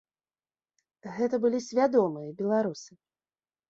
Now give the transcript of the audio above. Гэта былі свядомыя беларусы.